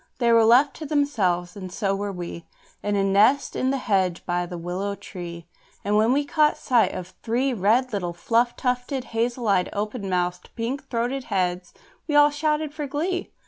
They were left to themselves (and so were we) In a nest in the hedge by the willow tree; And when we caught sight of three red little fluff tufted, hazel eyed, open mouthed, pink throated heads, we all shouted for glee.